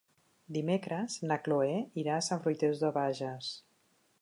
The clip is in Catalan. Dimecres na Cloè irà a Sant Fruitós de Bages.